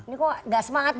ini kok gak semangat